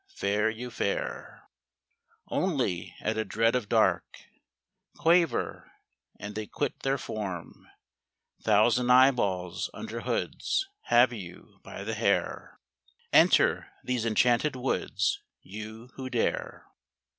Fair you fare. Only at a dread of dark Quaver, and they quit their form: Thousand eyeballs under hoods Have you by the hair. Enter these enchanted woods, You who dare.